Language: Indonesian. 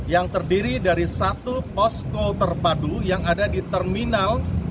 yang terdiri dari satu posko terpadu yang ada di terminal